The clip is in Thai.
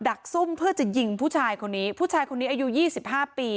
ักซุ่มเพื่อจะยิงผู้ชายคนนี้ผู้ชายคนนี้อายุยี่สิบห้าปี